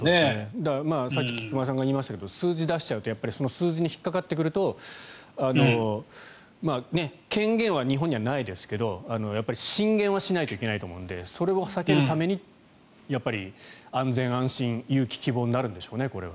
だから、さっき菊間さんが言いましたけど数字を出しちゃうとその数字に引っかかってくると権限は日本にはないですけど進言はしないといけないと思うのでそれを避けるために安全安心、勇気、希望になるんでしょうね。